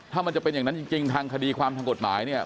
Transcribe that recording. ถ้ามันจะเป็นอย่างนั้นจริงทางคดีความทางกฎหมายเนี่ย